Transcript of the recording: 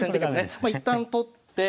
まあ一旦取って。